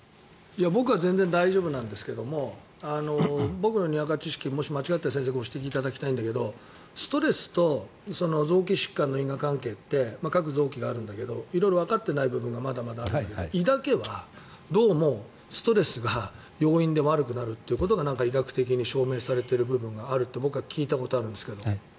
僕は全然大丈夫なんですけど僕のにわか知識もし間違っていたら先生、ご指摘お願いしたいんだけどストレスと臓器疾患の因果関係って各臓器があるんだけど色々わかってない部分がまだまだあるんだけど胃だけはどうもストレスが要因で悪くなるということが医学的に証明されている部分があると僕は聞いたことがあるんですが。